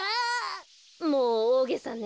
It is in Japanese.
もうおおげさね。